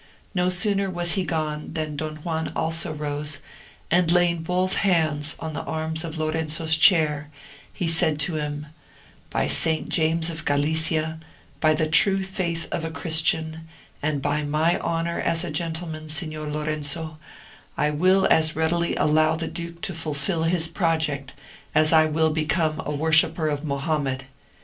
No sooner was he gone than Don Juan also rose, and laying both hands on the arms of Lorenzo's chair, he said to him, "By St. James of Galicia, by the true faith of a Christian, and by my honour as a gentleman, Signor Lorenzo, I will as readily allow the duke to fulfil his project as I will become a worshipper of Mahomed.